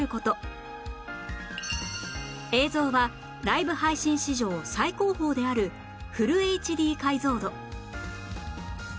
映像はライブ配信史上最高峰であるフル ＨＤ 解像度